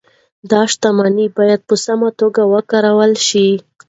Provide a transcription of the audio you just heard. دا شتمني باید په سمه توګه وکارول شي.